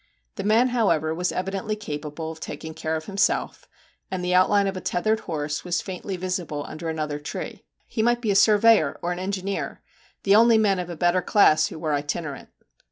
The man, however, was evidently capable of taking care of himself, and the outline of a tethered horse was faintly visible under another tree. He might be a surveyor or engineer the only men of a better class who were itinerant.